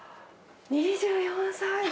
２４歳！